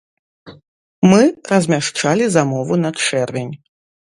Мы размяшчалі замову на чэрвень.